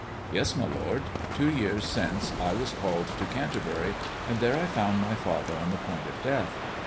" Yes, my lord. Two years since I was called to Canter bury, and there I found my father on the point of death.